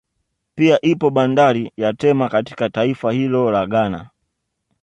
Pia ipo bandari ya Tema katika taifa hilo la Ghana